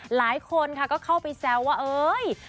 หลายคนค่ะก็เข้าไปแซวว่าเอ้ย